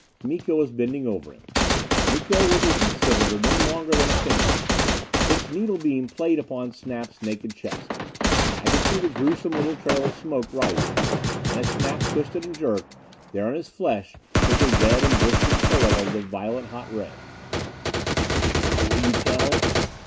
Miko was bending over him. Miko with a heat cylinder no longer than a finger. Its needle beam played upon Snap's naked chest. I could see the gruesome little trail of smoke rising; and as Snap twisted and jerked, there on his flesh was the red and blistered trail of the violet hot ray. "Now will you tell?"